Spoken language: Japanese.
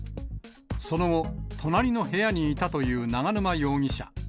その後、隣の部屋にいたという永沼容疑者。